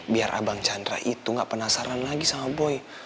biar abang chandra itu gak penasaran lagi sama boy